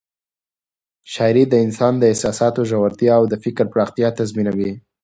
شاعري د انسان د احساساتو ژورتیا او د فکر پراختیا تضمینوي.